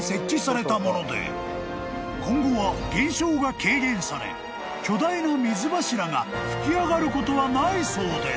［今後は現象が軽減され巨大な水柱が噴き上がることはないそうです］